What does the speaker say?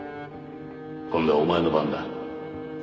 今度はお前の番だ。